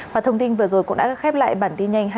họa thông tin vừa rồi cũng đã khép lại bản tin nhanh